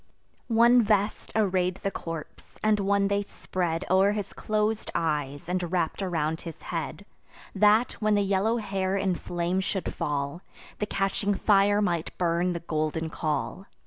One vest array'd the corpse; and one they spread O'er his clos'd eyes, and wrapp'd around his head, That, when the yellow hair in flame should fall, The catching fire might burn the golden caul.